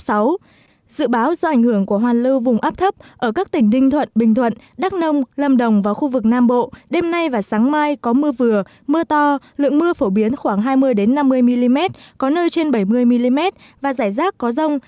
dự báo do ảnh hưởng của hoàn lưu vùng áp thấp ở các tỉnh ninh thuận bình thuận đắk nông lâm đồng và khu vực nam bộ đêm nay và sáng mai có mưa vừa mưa to lượng mưa phổ biến khoảng hai mươi năm mươi mm có nơi trên bảy mươi mm và rải rác có rông